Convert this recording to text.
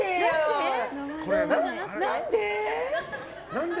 何で？